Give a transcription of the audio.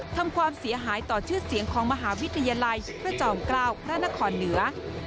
ทำความเสียหายต่อชื่อเสียงของมหาวิทยาลัยพระจอมเกล้าพระนครเหนือ